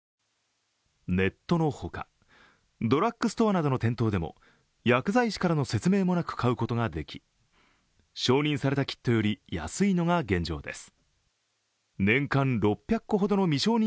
ネットのほか、ドラッグストアなどの店頭でも薬剤師からの説明もなく買うことができ承認されたキットより安いのが現状です。